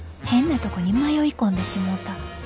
変なとこに迷い込んでしもうた。